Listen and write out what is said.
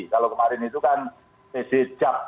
kalau kemarin itu kan ccjap